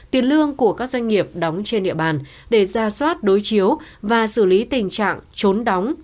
tiền lương của các doanh nghiệp đóng trên địa bàn để ra soát đối chiếu và xử lý tình trạng trốn đóng